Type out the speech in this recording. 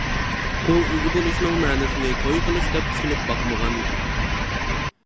ئۇ ئىگە بولۇشنىڭ مەنىسىنى توي قىلىش دەپ چۈشىنىپ باقمىغانىدى.